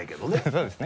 そうですね。